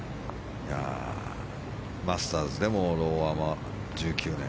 マスターズでもローアマ、２０１９年。